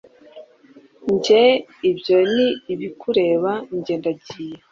Njye ibyo ni ibikureba njye ndagiye